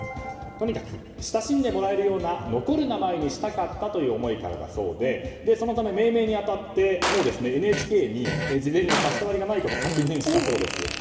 とにかく親しんでもらえるような残る名前にしたかったという思いからだそうでそのため、命名に当たってＮＨＫに事前に差しさわりがないか確認したそうです。